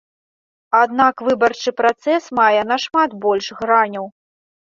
Аднак выбарчы працэс мае нашмат больш граняў.